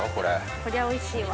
こりゃおいしいわ。